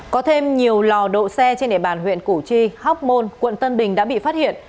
có thêm nhiều lò độ xe trên địa bàn huyện củ chi hóc môn quận tân bình đã bị phát hiện